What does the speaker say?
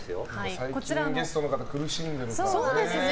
最近ゲストの方苦しんでるからね。